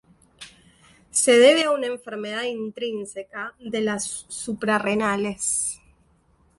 Se debe a una enfermedad intrínseca de las suprarrenales.